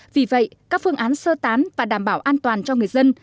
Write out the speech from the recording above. vì vậy các phương án sơ tán và đảm bảo an toàn cho người dân